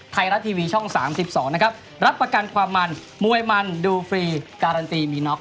ไทยรัฐทีวีช่อง๓๒นะครับรับประกันความมันมวยมันดูฟรีการันตีมีน็อก